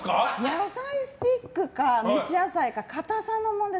野菜スティックか蒸し野菜か硬さの問題